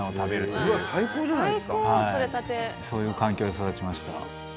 そういう環境で育ちました。